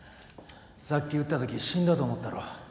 さっき撃ったとき死んだと思ったろ？